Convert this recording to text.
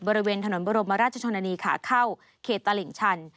บริเวณถนนบรมราชชนนานีขาเข้าเขตตลิ่งชัน